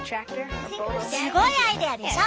すごいアイデアでしょ！